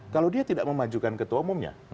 kalau dia tidak memajukan ketua umumnya